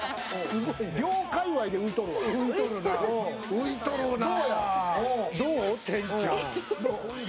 浮いとるなあ。